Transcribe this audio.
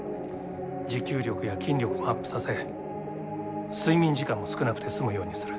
持久力や筋力もアップさせ睡眠時間も少なくて済むようにする。